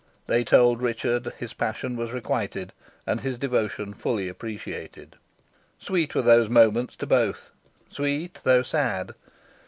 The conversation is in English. They told Richard his passion was requited, and his devotion fully appreciated. Sweet were those moments to both sweet, though sad.